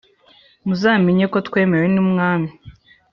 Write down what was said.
muzamenya ko twemewe numwami